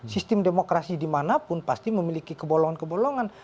sistem demokrasi dimanapun pasti memiliki kebolongan kebolongan